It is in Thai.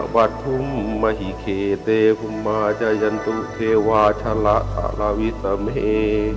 เววาชะระสารวิสมิ